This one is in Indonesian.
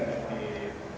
ya ada peraturan untuk jam ya